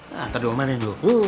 nah taruh di rumah deh dulu